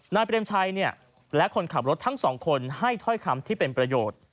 เปรมชัยและคนขับรถทั้งสองคนให้ถ้อยคำที่เป็นประโยชน์